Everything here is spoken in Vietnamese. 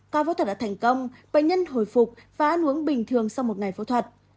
ca phẫu thuật đã thành công bệnh nhân hồi phục và ăn uống bình thường sau một ngày phẫu thuật